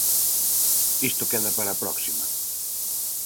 Isto queda para a próxima.